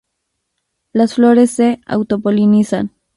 Las flores se auto-polinizan.